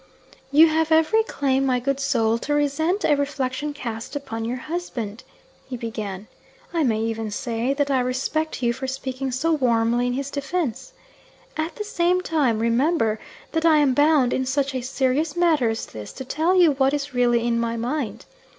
'You have every claim, my good soul, to resent a reflection cast upon your husband,' he began. 'I may even say that I respect you for speaking so warmly in his defence. At the same time, remember, that I am bound, in such a serious matter as this, to tell you what is really in my mind.